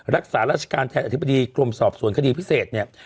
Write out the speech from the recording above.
รักษาราชการแทนอธิบดีกรมสอบสวนคดีพิเศษเนี่ย